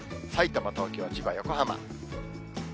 さいたま、東京、千葉、横浜。